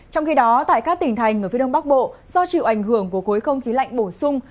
trong khi đó tại các tỉnh thành ở phía đông bắc bộ do chịu ảnh hưởng của khối không khí lạnh bổ sung